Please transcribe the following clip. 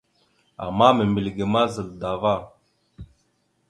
Ama membilge ma zal dava.